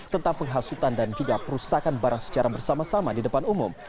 tentang penghasutan dan juga perusahaan barang secara bersama sama di depan umum